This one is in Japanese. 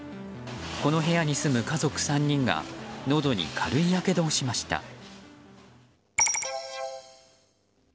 この部屋に住む家族３人がのどに軽いやけどをしました。